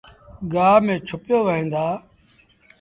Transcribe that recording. گآه ميݩ ڇُپيو وهيݩ دآ